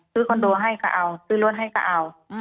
คอนโดให้ก็เอาซื้อรถให้ก็เอา